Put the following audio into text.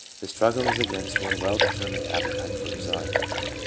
The struggle is against one well determined appetite or desire.